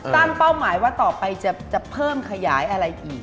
เป้าหมายว่าต่อไปจะเพิ่มขยายอะไรอีก